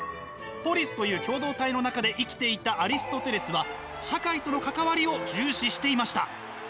ポリスという共同体の中で生きていたアリストテレスは社会との関わりを重視していました。